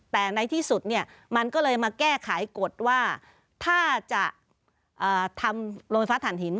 แต่ในที่สุดเนี่ยมันก็เลยมาแก้ไขกฎว่าถ้าจะทำโรงไฟฟ้าฐานหิน